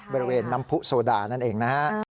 บริเวณน้ำผู้โซดานั่นเองนะฮะ